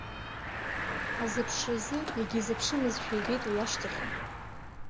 Азыԥшразы иагьизыԥшымызшәа ибеит уи ашьҭахьы.